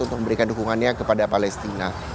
untuk memberikan dukungannya kepada palestina